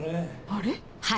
あれ？